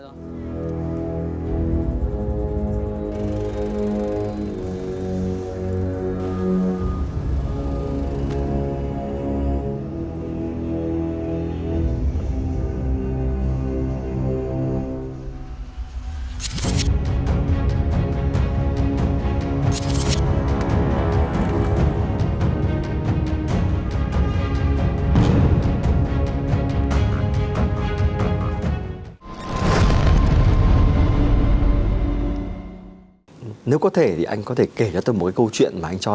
b st hosted người qu george nếu có thể thì anh có thể kể cho tôi một cái câu chuyện mà anh cho là nó